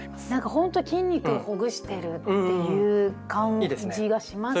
ほんとに筋肉をほぐしてるっていう感じがしますね。